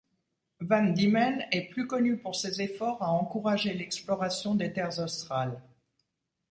Van Diemen est plus connu pour ses efforts à encourager l'exploration des terres australes.